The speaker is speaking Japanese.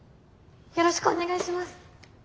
よろしくお願いします。